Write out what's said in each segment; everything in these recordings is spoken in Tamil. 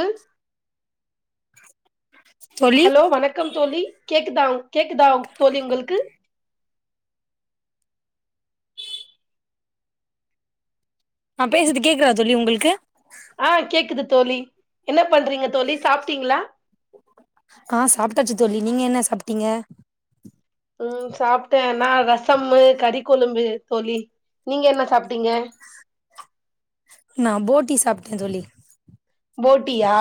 உ தோழி ஹலோ வணக்கம் தோழி கேக்குதா கேக்குதா தோழி உங்கள்க்கு நா பேசர்து கேக்குதா தோழி உங்கள்க்கு ஆ கேக்குது தோழி என்ன பண்றீங்க தோழி சாப்ட்டீங்களா ஆ சாப்ட்டாச்சு தோழி நீங்க என்ன சாப்ட்டீங்க உம் சாப்ட்டே நா ரசமு கறி கொழம்பு தோழி நீங்க என்ன சாப்ட்டீங்க நா போட்டி சாப்ட்டே தோழி போட்டியா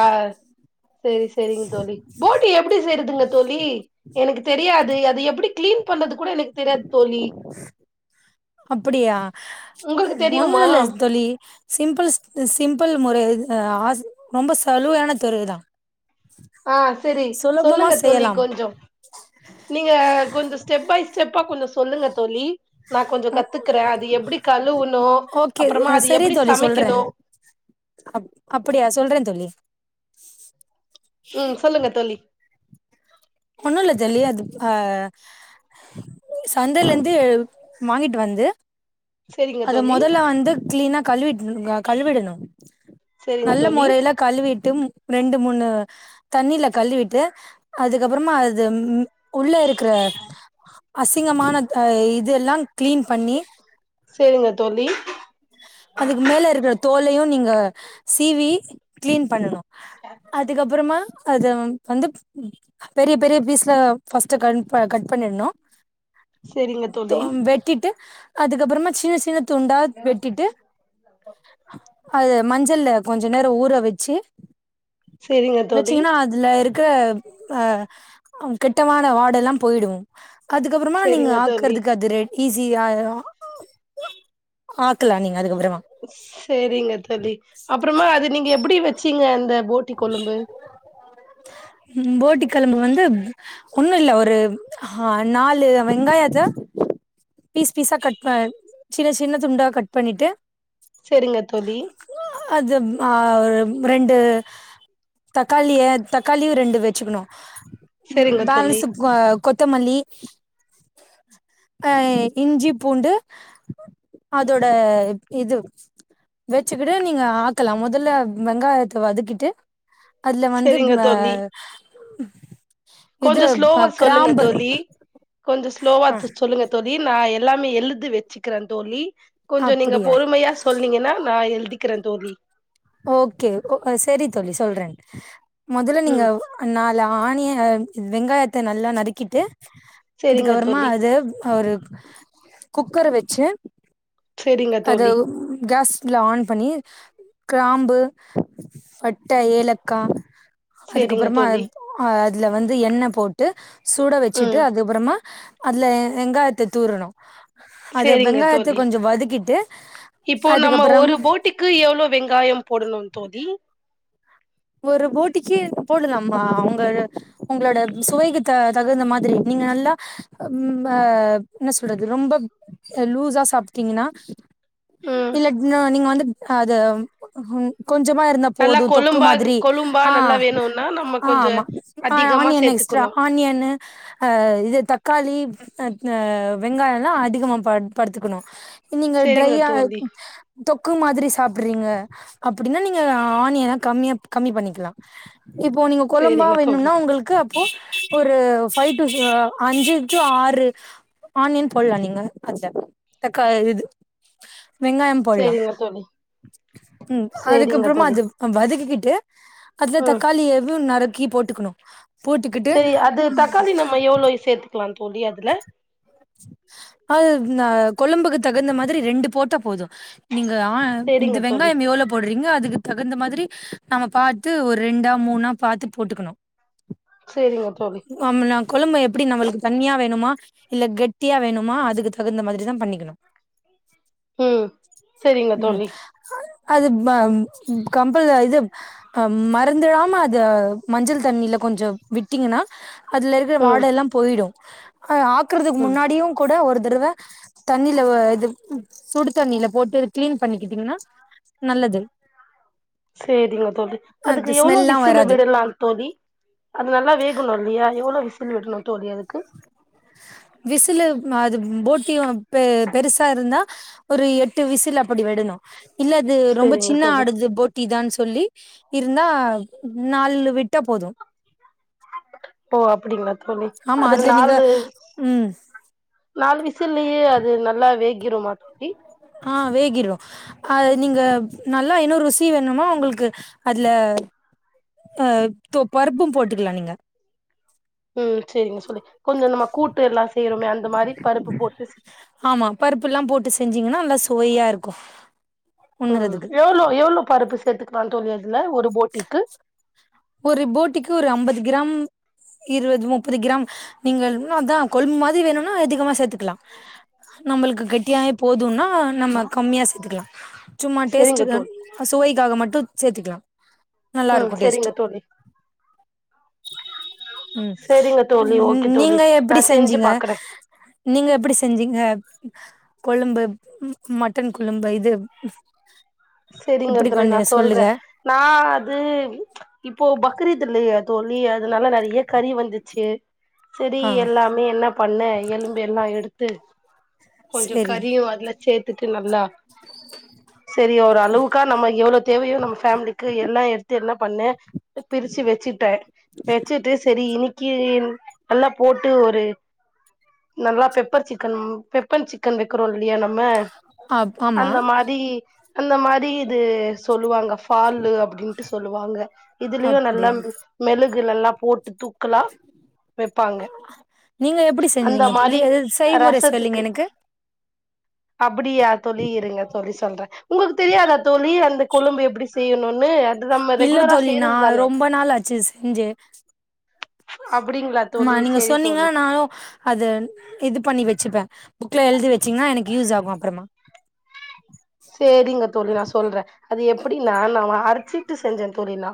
சேரி சேரிங் தோழி போட்டி எப்டி செய்ருதுங்க தோழி எனக்கு தெரியாது அது எப்படி கிளீன் பண்றது அப்படியா உங்களுக்கு தெரியுமா ஒன்னுல்ல தொழி சிம்பிள் சிம்பிள் முற அ, ஆஸ் ரொம்ப சலுவயான [unintelligible] தா ஆஹ் செரி சொல்லுங்க தோழி செய்யலாம் கொஞ்சோ, நீங்க கொஞ்சோ ஸ்டெப் பை ஸ்டெப்பா கொஞ்ச சொல்லுங்க தோழி நா கொஞ்சோ கத்துக்கறே அது எப்படி கழுவுணு ஓகே அப்புறமா அது சரி எப்டி தோழி சொல்றே சமைக்கணு அப் அப்படியா சொல்றே தோழி உம் சொல்லுங்க தோழி ஒன்னுல்ல தோழி அது ஆ, சந்தைலருந்து வாங்கிட்டு வந்து செரிங்க அத தோழி மொதல்ல வந்து கிளீனா கழுவிட் ங் க, கழுவிடனு செரிங்க நல்ல தோழி மொறைல கழுவிட்டும் ரெண்டு மூணு தண்ணீல கழுவிட்டு அதுக்கப்புறமா அது உள்ள இருக்கிற அசிங்கமான இதுல்லா கிளீன் பண்ணி செரிங்க தோழி அதுக்கு மேல இருக்கிற தோல் துலயு நீங்க சவி கிளீன் பண்ணனு அதுக்கப்புறமா அது வந்து பெரிய பெரிய பீஸ்ல பஸ்ட் க கட் பண்ணிடணு செரிங்க தோழி தோம் வெட்டிட்டு அதுக்கப்புறமா சின்ன சின்ன துண்டா வெட்டிட்டு அது மஞ்சள்ள கொஞ்ச நேரோ ஊற வெச்சு செரிங்க தோழி வெச்சீங்கன்னா அதுல இருக்கு இருக்க அஹ் கெட்டமான வாட எல்லா போயிடு அதுக்கப்புறமா நீங்க செரிங்க தோழி ஆக்குறதுக்கு அது ரெடி ஈசியாயிரு ஆக்கலா நீங்க சேரிங்க தோழி அப்புறமா அது நீங்க எப்படி வெச் சீங்க அந்த போட்டி கொழம்பு குழம்பு வந்து ஒன்னுல்ல ஒரு ஆஹ நாலு வெங்காயத்த பீஸ் பீஸா கட் ப சின்ன சின்ன துண்டா கட் பண்ணிட்டு சேரிங்க தோழி ஆஹ் ரெண்டு தக்காளிய தக்காளியு ரெண்டு வெச்சுக்கணு செரிங்க தோழி [unintelligible] கொத்தமல்லி ஹ இஞ்சி பூண்டு அதோட இது வெச்சிகிடு நீங்க ஆக்கலா முதல்ல வெங்காயத்த வதக்கிட்டு அதுல வந்து செரிங்க தோழி இது கொஞ்சோ அ ஸ்லோவா சொல்லுங்க கிராம்பு தோழி கொஞ்சோ ஸ்லோவா சொல்லுங்க தோழி து நா எல்லாமே எழுது வெச்சுக்கிற தோழி கொஞ்சோ நீங்க அப்டியா பொறுமையா சொன்னீங்கன்னா நா எழ்தி க்கிர தோழி ஓக்கே செரி தோழி சொல்ற மொதல்ல நீங்க ம் நா ஆணிய வெங்காயத்த நல்லா நறுக்கிட்டு செரிங்க அதுக்கப்றமா தோழி அது ஒரு குக்கர வெச்சு செரிங்க அது தோழி கேஸ் ல ஆன் பண்ணி கிராம்பு பட்ட ஏலக்கா செரிங்க அதுக்கப்புறமா தோழி ஆ இதுல வந்து எண்ண போட்டு சூட வெச்சிட்டு ம் அதுப்புறமா அதுல வெங்காயத்த தூரணோ அது செரிங்க வெங்காயத்த தோழி கொஞ்சோ வதக் இப்போ நம்ம ஒரு போட்டிக்கு எவ்ளோ வெங்காயோ போடணோ தோ ஒரு போட்டிக்கி போடலாமா அவுங்க உங்ளோட சுவைக்கு த தகுந்த மாதிரி நீங்க நல்லா ம் பா என்ன சொல்றது ரொம்ப லூஸா சாப்டீங்கன்னா ம் இல்ல நீங்க வந்து அது ம் கொஞ்சமா இருந்த நல்லா போது தொக் க்கு கொழும்பா மாதிரி கொழும்பா ஆ நல்லா வேணுன்னா நம்ம கொஞ்சோ ஆமா அதிகமா ஆனியன் எக்ஸ்ட்ரா சேத்துக்கணு ஆனியன்னு இது தக்காளி வெங்காயெல்லா அதிகமா ப படுத்துக்கணு நீங்க செரிங்க ட்ரையா தோழி தொக் க்கு மாதிரி சாப்றீங்க அப்டின்னா நீங்க ஆனியன கம்மியா கம்மி பண்ணிக்லா இப்போ நீங்க கொழம்பா செரிங்க தோழி வேணும்னா உங்கள்கு அப்போ ஒரு ஃபை டு அஞ்சு ஆறு ஆனியன் போல்லா நீங்க அதுல தக்கா இது வெங்காயம் போல்லா செரிங்க தோழி ம் செரிங்க அதுக்கப்றமா தோழி அது வதக்கிக்கிட்டு அதுல தக்காளி எதும் நர் க்கி போட்டுக்கணு போட்டுக்கிட்டு சேரி அது தக்காளி நம்ம எவ்ளோ சேத்துக்கலாம் தோழி அதுல அது ந கொழம்புக்கு தகுந்த மாரி ரெண்டு போட்டா போதும் நீங்க ஆ இந்த சேரிங்க தோழி வெங்காயம் எவ்வளௌ போட்றீங்க அது க்கு தகுந்த மாதிரி நாம பாத்து ஒரு ரெண்டா மூணா பாத்து போட்டுக்கணு செரிங்க தோழி கொழபு எப்டி நம்மளுக்கு தண்ணியா வேணுமா இல்ல கெட் டிய வேணுமா அதுக்கு தகுந்த மாதிரி தான் பண்ணிக்கணும் ம் சரிங்க தோழி அது ப ம் கம்பல் இதுஹ மறந்துடாம அது மஞ்சள் தண்ணில கொஞ்சம் விட்டீங்கன்னா அதுல இருக்கிற ம் வாடை எல்லாம் போயிடும் அ ஆக்குறதுக்கு ம் முன்னாடி கூட ஒரு தடவை தண்ணில இது சுடு தண்ணில போட்டு கிளீன் பண்ணிக்கிட்டீங்கன்னா நல்லது சேரிங்க தோழி அதுக்கு அது எவ்ளோ ஸ்மெல்லா விசிலு வராது விடலாம் தோழி அது நல்லா வேகணும் இல்லையா எவ்ளோ விசிலு விடணும் தோழி அதுக்கு விசிலு அது போட்டியும் பெ பெருசா இருந்தா ஒரு எட்டு விசில் அப்படி விடணும் இல்ல அது ரொம்ப சேரிங்க சின்ன தோழி ஆடுது ஃபோட்டி தான் சொல்லி இருந்தா நாலு விட்டா போதும் ஓ அப்படிங்களா த் தோழி ஆமா அது அதுல நீங்க நாலு ம் நாலு விசில்லயே அது நல்லா வேக ஆகிருமா தோழி ஆ வேகிடும் ஆ நீங்க நல்லா இன்னொரு ருசி வேணுமா உங்களுக்கு அதுல ஆ பருப்பும் போட்டுக்கலாம் நீங்க ம் சரிங்க சொல்லி கொஞ்சம் நமா கூட்டு எல்லாம் செய்றமே அந்த மாரி பருப்பு போட்டு செய்னும் ங்கனா நல்லா சுவையா இருக்கும் ம் எவ்ளோ எவ்ளோ பருப்பு சேர்த்து [unintelligible] ஒரு ஃபோட்டிக்கு ஒரு அம்பது கிராம் இருபது முப்பது கிராம் நீங்க அதான் கொழும்பு மாதிரி வேணும்னா அதிகமா சேர்த்துக்கலாம் நம்மளுக்கு கெட்டியாகவே போதும்னா நம்ம கம்மியாக சேர்த்துக்கலாம் சும்மா சேரிங்க டேஸ்டுகான் தோழி சுவைக்காக மட்டும் சேத்துகுலான் ம் செரிங்க தோழி ம் ஓகே தோழி நீங்க நா எப்டி செஞ்சு செஞ்சீங்க பாக்குறே நீங்க எப்டி செஞ்சீங்க கொளும்பு மட்டன் கொளும்பு இது செரிங்க எப்டி தோழி நா கொஞ்சோ சொல்லுங்க சொல்றன் நா அது இப் போ பக்ரீத் இல்லையே தோழி அதுனால நறியா கறி வந்துச்சு செரி ஆ எல்லாமே என்ன பண்ணன் எலும்பு எல்லாம் எடுத்து கொஞ்சம் செரி கறியும் அதுல சேத் [unintelligible] [inaudible] சி ஒரு அளவுக்கா நம்ம எவ்ளோ தேவையோ நம்ம பேம்லிக்கு எல்லா த்து என்ன பண்ணே பிரிச்சு வெச்சிட்டே வெச்சிட்டு செரி இன்னிக்கி நல்லா போட்டு ஒரு நல்லா pepper chicken pepper sick [unintelligible] [unintelligible] நம்ம ஆ ஆமா அந்த மாரி அந்த மாரி இது சொல்லுவாங்க ஃபாலு அப்டின்டு சொல்லுவாங்க இதுலியு நல்லா அப்டியா மெலுக் க்கு நல்லா போட்டு தூ நீங்க எப்டி அந்த செஞ்சீங்க மாரி [unintelligible] எது செய்முற சொல்லுங்க எனக்கு அப்புடியா தோழி இருங்க தோழி சொல்றே உங்குக்கு தெரியாதா தோழி அந்த கொழம்பு எப்டி செய்ணுன் இல்ல தோழி நா ரொம்ப நாளாச்சு செஞ்சே அப்டிங்களா அமா தோழி நீங்க செரி சொன்னீங்க தோழி நானு அத இது பண்ணி வச்சுப்பே புக்ல எழுதி வச்சீங்கனா எனக்கு யூஸ் ஆகு அப்றமா சேரிங்க தோழி நா சொல்றே அது எப்புடினா நா அரைச்சீட்டு செஞ்சே தோழி நா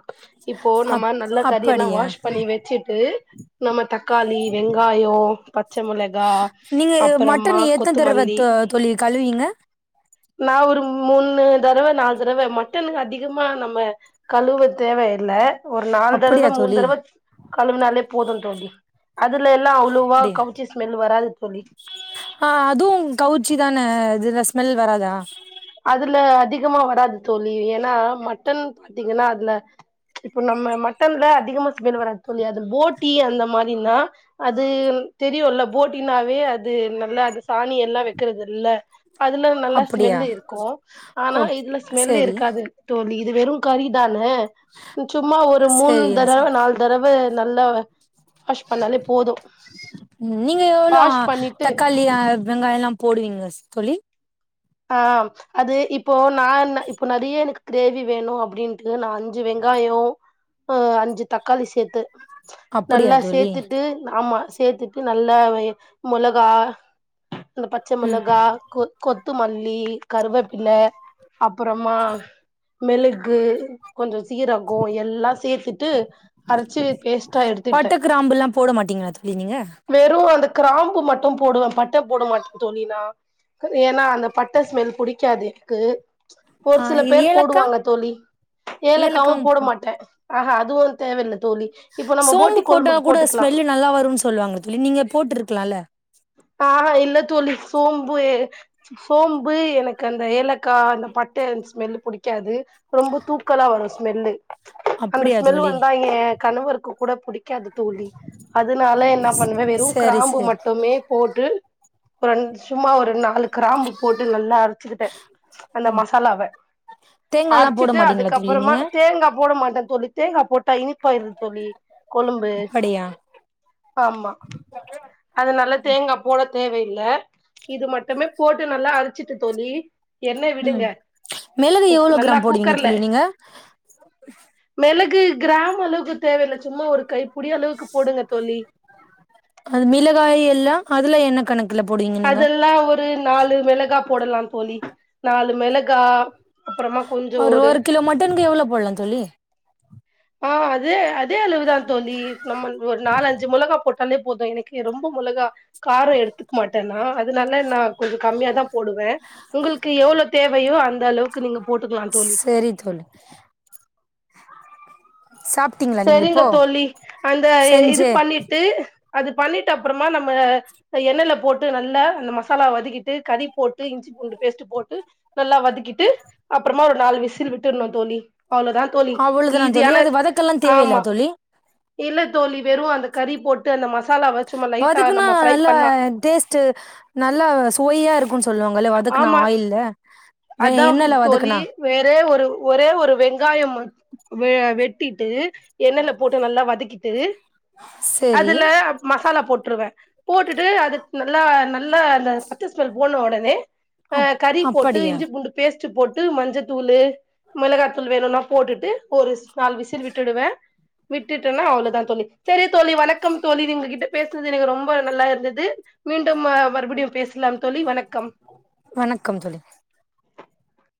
இப்போ அப் நம்ம நல்ல கறியெல்லா அப்படியா வாஷ் பண்ணி வச்சிட்டு நம்ம தக்காளி வெங்காயொ பச்ச மொளகா நீங்க அப்பறமா மட்டன் எத்தன தடவ கொத்துமல்லி தோ தோழி கழுவீங்க நா ஒரு மூணு தர்வ நாலு தரவ மட்டனு அதிகமா நம்ம கழுவ தேவ இல்ல ஒரு நாலு தரவ அப்படியா மூணு தோழி தரவ கழவுனாலே போது தோழி அதுல எல்லா அவ்ளோவா அப்டியா கவுச்ச ஸ்மெல் வராது தோழி ஆ அதுவு கவுச்சி தானே இதுல ஸ்மெல் வராதா அதுல அதிகமா வராது தோழி ஏனா மட்டன் பாத்தீங்கனா அதுல இப்ப நம்ம மட்டன்ல அதிகமா ஸ்மெல் வராது தோழி அதுல போட்டி அந்த மாரினா அது தெரியுல்ல போட்டினாவே அது நல்ல அது சாணி எல்லா வைக்கிறது இல்ல அதுல நல்லா அப்டியா ஸ்மெல்லு இரு க்கு ஆனா ஓகே இதுல ஸ்மெல் செரி இருக்காது தோழி இது வெறு கரிதான அ சும்மா ஒரு மூணு செரியா தடவ செரி நாலு தடவ நல்லவ ம் நீங்க எவ்ளோ வாஷ் பண்ணிட்டு தக்காளி அ வெங்காயலா போடுவீங்க தொழி ஆ அது இப்போ நான்ன இப்போ நிறய எனக்கு கிரேவி வேணு அபபடின்ட்டு நா அஞ்சு வெங்காய அ அஞ்சு தக்காளி சேத்து அப்டியா நல்லா தோழி சேத்துட்டு ஆமா சேத்துட்டு நல்லா மொளகா இந்த பச்ச ம் மிளகா கொ கொத் த்து மல்லி கருவேப்பில்ல அப்பறமா மெளகு கொஞ்சோ சீரகோ எல்லா சேத்துட்டு அரச்சி பேஸ்ட்டா எடுத்துகிட்டே பட்ட கிராம்புல்லா போட மாட்டீங்களா தோழி நீங்க வெறு அந்த கிராம்பு மட்டு போடுவ பட்ட போட மாட்ட தோழி நா அந்த பட்ட ஸ்மெல் புடிக்காது க்கு ஒரு ஆ சில இது பேர் ஏலக்கா போடுவாங்க தோலி ஏலக்காவு போட மாட்ட ஆஹா அதுவு தேவ இல்ல தோலி இப்ப நம்ம போட்டி சோம்பு போட்டா கொழும்புக் கூட போட்டுக்லா ஸ்மெல்லு நல்லா வருன்னு சொல்லுவாங்க தோழி நீங்க போட்ருக்கலால்ல ஆஹா இல்லத் தோழி சோம்புய சோம்பு எனக்கு அந்த ஏலக்கா அந்த பட்டயம் ஸ்மெல்லு புடிக்காது ரொம்ப தூக்கலா வரு மெல்லு அந்த அப்டியா ஸ்மெல் தோழி வந்தா ஏ கணவர்க்கு கூட புடிக்காது தோழி அதுனால என்ன பண்ணுவ வெறு செரி கிராம்பு செரி மட்டுமே போட்டு ஒன் சும்மா ஒரு நாளு கிராம்பு போட்டு நல்லா அரச்சுக்கிட்ட அந்த மசாலாவ தேங்கால்லா போட அரச்சிட்டு மாட்டீங்களா தோழி அதுக்கப்றமா நீங்க தேங்கா போட மாட் தொலித்தே அப்போட் த இனிப்பாயிருது தோலி கொலும்பு அப்படியா ஆமா அதுனால தேங்கா போடத் தேவயில்ல இது மட்டுமேப் போட்டு நல்லா அரச்சிட்டு தோலி ம் மிளகு எவ்ளோ நல்லா கிராம் போடுவீங்க குக்கர்ல தோழி நீங்க மிளகு கிராம் அளவுக்கு தேவையில்ல சும்மா ஒரு கை அது மிளகாய் எல்லா அதுல என்ன அதுல போடுவீங்க நீங்க அதெல்லா ஒரு நாலு மெளகா போடலா தோழி நாலு மெளகா ஒரு ஒரு கிலோ மட்டனுக்கு எவ்ளோ போடலா தோழி ஆஹ் அதே அதே அளவுதா தோழி நம்மல்து ஒரு நாலஞ்சு மெளகா போட் தாலே போது எனக்கு ரொம்ப மொளகா காரோ எடுத்துக் மாட்டேன்னா அதனால நா கொஞ்ச கம்மியா தா போடுவே உங்குளுக்கு எவ்ளோ தேவையோ அந்த அளவுக்கு நீங்க போட்டுக்கலா தோழி செரி தோழி சாப்ட்டீங்களா நீங்க சரிங்க இப்போ தோழி அந்த இது செஞ்சு பண்ணிட்டு அது பண்ணிட்டு அப்புறமா நம்ம எண்ணெயில போட்டு நல்லா அந்த மசாலா வதக்கிட்டு கறி போட்டு இஞ்சி பூண்டு பேஸ்ட் போட்டு நல்லா வதக்கிட்டு அப்புறமா ஒரு நாலு விசில் விட்ருணு தோழி அவ்ளோதா தோழி அவ்வளவுதானா தோழி ஈஸியான அது வதக்கெல்லாம் தேவையில்ல ஆமா தோழி இல்ல தோழி வெ து அந்த கறி போட்டு அந்த மசா வதக்குனா நல்லா டேஸ்ட்டு நல்லா சுவையா இருக்குனு சொல்லுவாங்கல்ல வதக்குனா ஆமா ஆயில்ல வேற அதா எண்ணெய்ல தோழி வதக்குனா வேறே ஒரு ஒரே ஒரு வெங்காயம் மட்- வெ வெட்டி ட்டு எண்ணெய்ல போட்டு நல்லா வதக்கிட்டு சரி அதுல மசாலா போட்ருவ போட்டுட்டு அது நல்லா நல்லா அந்த பச்ச ஸ்மெல் போன உடனே அ அப் கறி போட்டு அப்படியா இஞ்சி பூண்டு பேஸ்ட் போட்டு மஞ்சத்தூளு மிளகாத்தூள் வேணுனா போட்டுட்டு ஒரு ஸ் நாள் விசில் விட் பேசனது எனக்கு ரொம்ப நல்லா இருந்தது மீண்டும் மறுபடியு பேசலாந் தோழி வணக் வணக்கம் தோழி